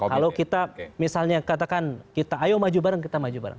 kalau kita misalnya katakan kita ayo maju bareng kita maju bareng